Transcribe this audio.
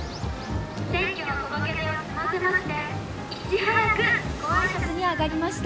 選挙の届け出を済ませましていち早くご挨拶に上がりました。